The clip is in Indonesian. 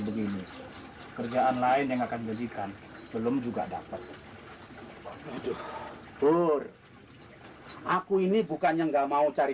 begini kerjaan lain yang akan jadikan belum juga dapat itu pur aku ini bukannya nggak mau cari